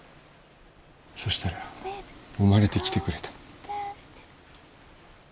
そしたら生まれてきてくれた。